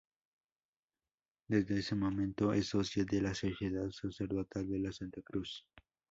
Desde este momento, es socio de la Sociedad Sacerdotal de la Santa Cruz.